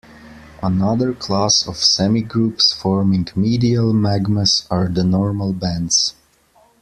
Another class of semigroups forming medial magmas are the normal bands.